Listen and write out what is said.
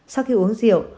sau khi uống rượu